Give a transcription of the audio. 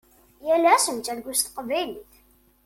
Yal ass nettargu s teqbaylit.